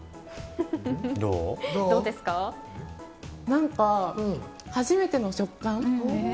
何か初めての食感？